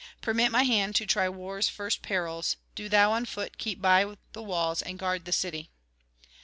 Permit my hand to try war's first perils: do thou on foot keep by the walls and guard the city.'